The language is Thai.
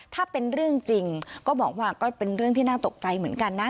ถ้าเป็นเรื่องจริงก็บอกว่าก็เป็นเรื่องที่น่าตกใจเหมือนกันนะ